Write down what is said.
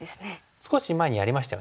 少し前にやりましたよね。